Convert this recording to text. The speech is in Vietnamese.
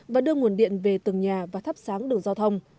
và đưa nguồn điện về từng nhà và thắp sáng đường giao thông